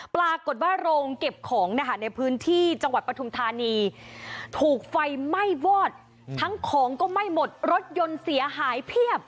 ปรากฏว่าโรงเก็บของในพื้นที่จังหวัดปฐุมธานีถูกไฟไหม้วอดทั้งของก็ไหม้หมดรถยนต์เสียหายเพียบ